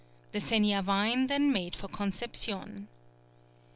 The Seniavine then made for Conception.